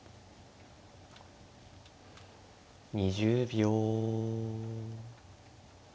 ２０秒。